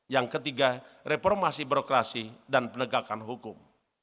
yang ketiga reformasi birokrasi dan penegakan hukum